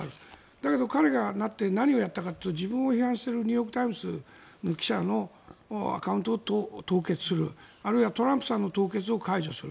だけど彼がなって何をやったかというと自分を批判するニューヨーク・タイムズの記者のアカウントを凍結する、あるいはトランプさんの凍結を解除する